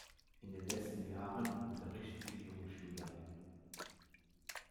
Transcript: In den letzten Jahren unterricht sie junge Schüler.